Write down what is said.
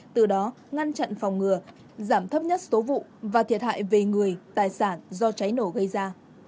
từ đó ngăn chặn phòng ngừa giảm thấp nhất số vụ và thiệt hại về người tài sản do cháy nổ gây ra